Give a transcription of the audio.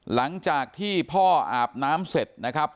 หลังจากที่พ่ออาบน้ำเสร็จนะครับ